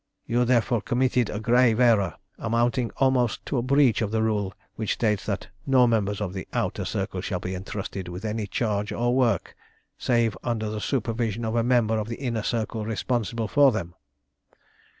You therefore committed a grave error, amounting almost to a breach of the rule which states that no members of the Outer Circle shall be entrusted with any charge, or work, save under the supervision of a member of the Inner Circle responsible for them.